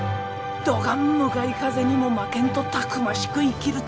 どがん向かい風にも負けんとたくましく生きるとぞ。